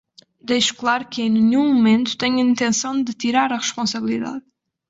Deixo claro que em nenhum momento tenho a intenção de tirar a responsabilidade